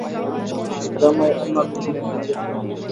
হ্যাঁ, জামাই আর নাতি দুজনই বিয়েতে এসেছে।